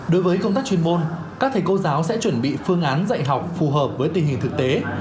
đối với công tác chuyên môn các thầy cô giáo sẽ chuẩn bị phương án dạy học phù hợp với tình hình thực tế